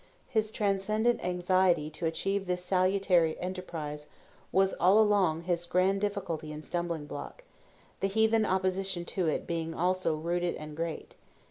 His transcendent anxiety to achieve this salutary enterprise was all along his grand difficulty and stumbling block; the heathen opposition to it being also rooted and great.